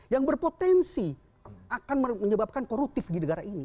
yang berpotensi akan menyebabkan koruptif di negara ini